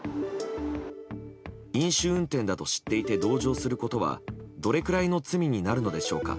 飲酒運転だと知っていて同乗することはどれくらいの罪になるのでしょうか。